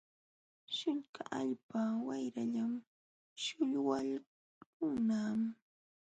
Śhllqa allpa wayrallam śhullwaqlunman.